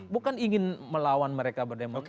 bukan ingin melawan mereka berdemokrasi